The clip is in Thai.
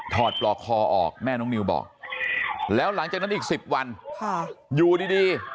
ปลอกคอออกแม่น้องนิวบอกแล้วหลังจากนั้นอีก๑๐วันอยู่ดี